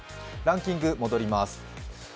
ランキングに戻ります。